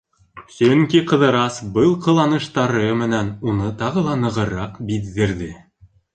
Сөнки Ҡыҙырас был ҡыланыштары менән уны тағы ла нығыраҡ биҙҙерҙе.